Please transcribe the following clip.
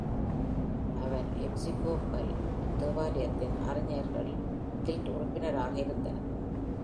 அவர் Episcopal தேவாலயத்தின் அறிஞர்கள் guild உறுப்பினராக இருந்தார்.